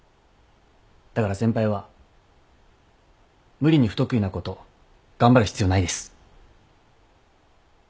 だから先輩は無理に不得意なこと頑張る必要ないです。